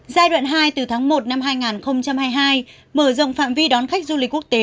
giai đoạn hai từ tháng một năm hai nghìn hai mươi hai mở rộng phạm vi đón khách du lịch quốc tế